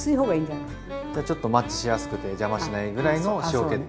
じゃちょっとマッチしやすくて邪魔しないぐらいの塩気って。